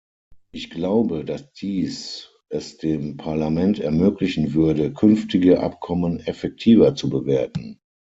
Ich glaube, dass dies es dem Parlament ermöglichen würde, künftige Abkommen effektiver zu bewerten.